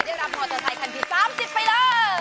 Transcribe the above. ได้รับมอเตอร์ไซคันที่๓๐ไปเลย